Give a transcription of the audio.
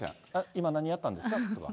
今、何やったんですかとか。